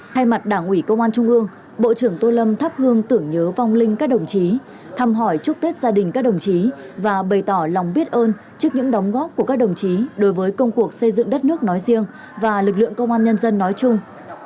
thay mặt đảng ủy công an trung ương bộ trưởng tô lâm thắp hương tưởng nhớ vong linh các đồng chí thăm hỏi chúc tết gia đình các đồng chí và bày tỏ lòng biết ơn trước những đóng góp của các đồng chí đối với công cuộc xây dựng đất nước nói riêng và lực lượng công an nhân dân nói chung